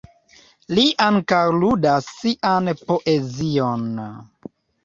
Li ankaŭ ludas sian poezion.